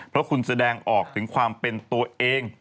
เพราะคุณแสดงออกถึงความเป็นตัวเอง